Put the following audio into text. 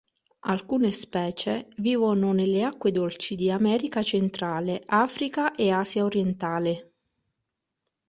Alcune specie vivono nelle acque dolci di America centrale, Africa e Asia orientale.